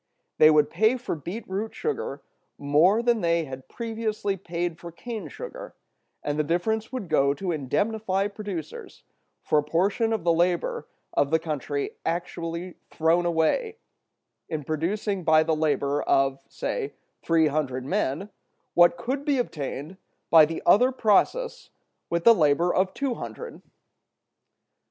They would pay for beet root sugar more than they had previously paid for cane sugar, and the difference would go to indemnify producers for a portion of the labor of the country actually thrown away, in producing by the labor of (say) three hundred men what could be obtained by the other process with the labor of two hundred.